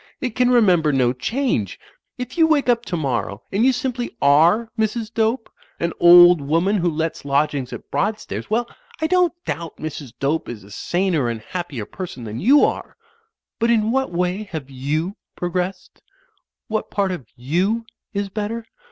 It can remember no change. If you wake up tomorrow and you simply are Mrs. Dope, an old woman who lets lodgings at Broad stairs — ^well, I don't doubt Mrs. Dope is a saner and happier person than you are. But in what way have you progressed? What part of you is better?